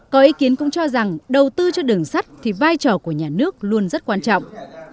có ý kiến cũng cho rằng đầu tư cho đường sắt thì vai trò của nhà nước luôn rất quan trọng